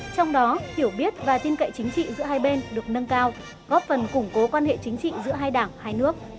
trong đó hiểu biết và tin cậy chính trị giữa hai bên được nâng cao góp phần củng cố quan hệ chính trị giữa hai đảng hai nước